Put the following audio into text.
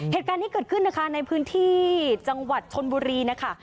เหตุการณ์นี้เกิดขึ้นนะคะในพื้นที่จังหวัดชนบุรีนะคะ